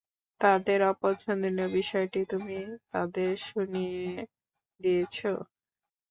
তাদের অপছন্দনীয় বিষয়টি তুমি তাদের শুনিয়ে দিয়েছো।